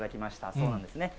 そうなんですね。